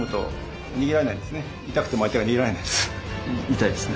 痛いですね。